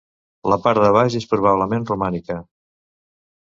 La part de baix és probablement romànica.